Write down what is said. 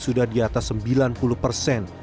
sudah di atas sembilan puluh persen